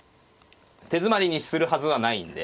手詰まりにするはずはないんで。